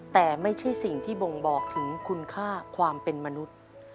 แต่ไม่ใช่สิ่งที่บ่งบอกถึงคุณค่าความเป็นมนุษย์